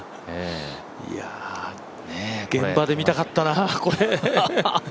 いや、現場で見たかったな、これ。